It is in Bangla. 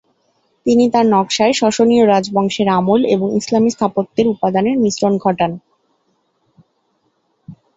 তিনি তার নকশায় সসনীয় রাজবংশের আমল এবং ইসলামী স্থাপত্যের উপাদানের মিশ্রণ ঘটান।